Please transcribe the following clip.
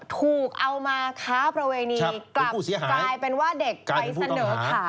ถูกเอามาค้าประเวณีกลับกลายเป็นว่าเด็กไปเสนอขาย